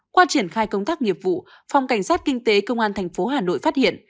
qua triển khai công tác nghiệp vụ phòng cảnh sát kinh tế công an thành phố hà nội phát hiện